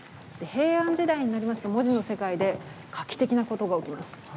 平安時代になりますと文字の世界で画期的なことが起きます。